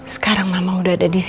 sekarang salah satu anak ayam